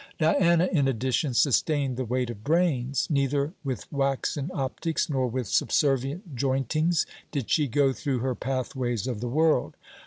Diana in addition sustained the weight of brains. Neither with waxen optics nor with subservient jointings did she go through her pathways of the world.